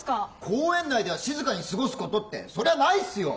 「公園内では静かに過ごすこと」ってそりゃないっすよ！